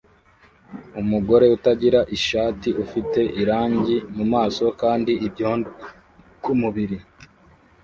Umugore utagira ishati ufite irangi mumaso kandi ibyondo kumubiri